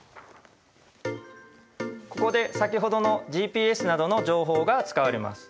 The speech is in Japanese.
ここで先ほどのＧＰＳなどの情報が使われます。